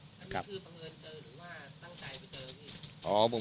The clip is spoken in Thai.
อันนี้คือบังเอิญเจอหรือว่าตั้งใจไปเจอพี่